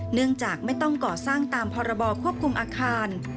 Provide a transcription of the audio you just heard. เนื่องจากไม่ต้องก่อสร้างตามพรบควบคุมอาคาร